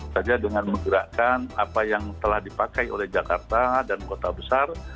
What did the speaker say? saja dengan menggerakkan apa yang telah dipakai oleh jakarta dan kota besar